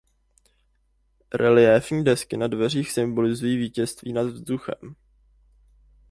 Reliéfní desky na dveřích symbolizují vítězství nad vzduchem.